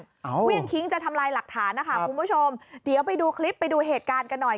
เอาเครื่องทิ้งจะทำลายหลักฐานนะคะคุณผู้ชมเดี๋ยวไปดูคลิปไปดูเหตุการณ์กันหน่อย